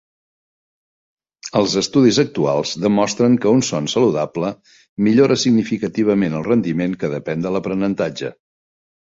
Els estudis actuals demostren que un son saludable millora significativament el rendiment que depèn de l'aprenentatge.